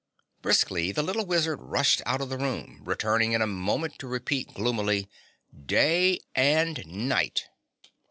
Briskly the little Wizard rushed out of the room, returning in a moment to repeat gloomily, "DAY and NIGHT!"